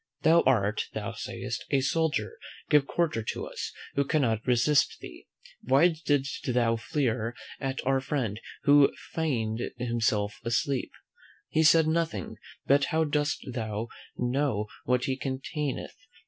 Thou art, thou sayest, a soldier; give quarter to us, who cannot resist thee. Why didst thou fleer at our friend, who feigned himself asleep? He said nothing; but how dost thou know what he containeth?